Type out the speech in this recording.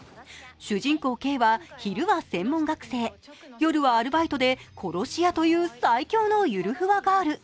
主人公・ケイは昼は専門学生、夜はアルバイトで殺し屋という最強のゆるふわガール。